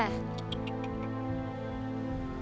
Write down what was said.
หายใจลึก